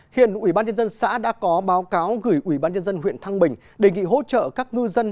hiện ubnd xã đã có báo cáo gửi ubnd huyện thăng bình đề nghị hỗ trợ các ngư dân